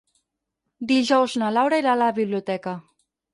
Dijous na Laura irà a la biblioteca.